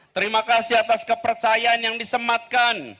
terima kasih atas kepercayaan yang disematkan